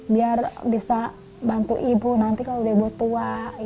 biar bisa bantu ibu nanti kalau udah ibu tua